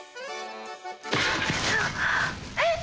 えっ？